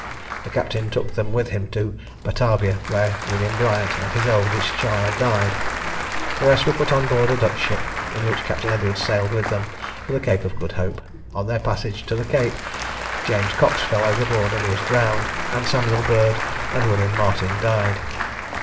The captain took them with him to Batavia, where William Briant and his eldest child died. The rest were put on board a Dutch ship, in which Captain Edwards sailed with them, for the Cape of Good Hope. On their passage to the Cape, James Cox fell overboard and was drowned, and Samuel Bird and William Martin died.